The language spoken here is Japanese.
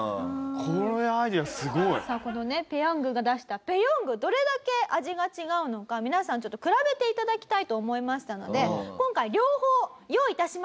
このアイデアすごい！さあこのねペヤングが出したペヨングどれだけ味が違うのか皆さん比べて頂きたいと思いましたので今回両方用意致しました。